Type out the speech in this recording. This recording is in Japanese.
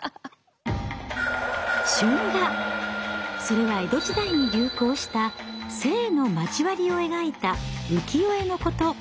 それは江戸時代に流行した性の交わりを描いた浮世絵のこと。